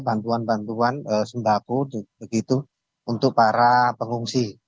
bantuan bantuan sembahku untuk para pengungsi